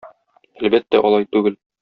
Әлбәттә, алай түгел.